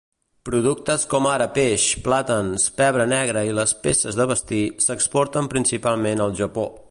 Productes com ara peix, plàtans, pebre negre i les peces de vestir s'exporten principalment al Japó.